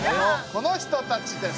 この人たちです！